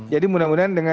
jadi mudah mudahan dengan